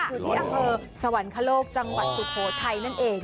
อยู่ที่อำเภอสวรรคโลกจังหวัดสุโขทัยนั่นเอง